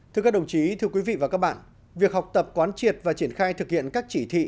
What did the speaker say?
thưa các đồng chí thưa quý vị và các bạn việc học tập quán triệt và triển khai thực hiện các chỉ thị